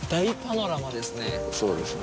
そうですね